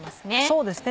そうですね